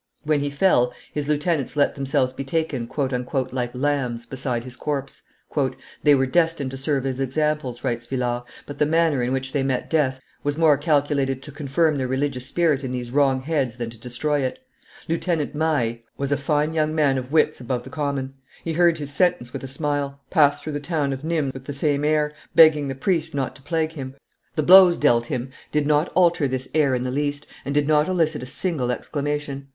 When he fell, his lieutenants let themselves be taken "like lambs" beside his corpse. "They were destined to serve as examples," writes Villars, "but the manner in which they met death was more calculated to confirm their religious spirit in these wrong heads than to destroy it. Lieutenant Maille was a fine young man of wits above the common. He heard his sentence with a smile, passed through the town of Nimes with the same air, begging the priest not to plague him; the blows dealt him did not alter this air in the least, and did not elicit a single exclamation.